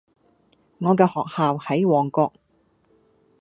我嘅學校喺旺角